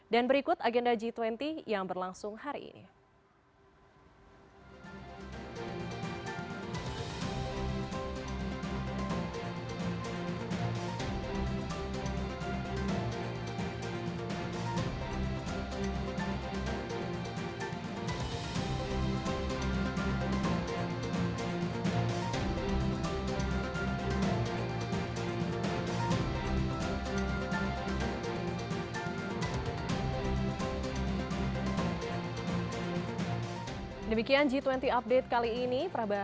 dan berikut agenda g dua puluh yang berlangsung hari ini